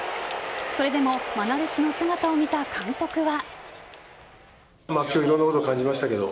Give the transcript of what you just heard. それでも愛弟子の姿を見た監督は。